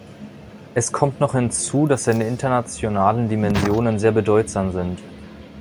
Es kommt noch hinzu, dass seine internationalen Dimensionen sehr bedeutsam sind.